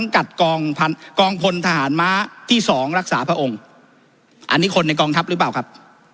กองพลทหารม้าที่๒รักษาพระองค์อันนี้คนในกองทัพหรือเปล่าครับ